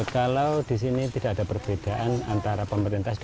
kalau di sini tidak ada perbedaan antara pemerintah